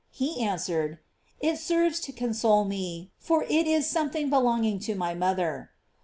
He answered: "It serves to console me, for it is something belonging to my mother."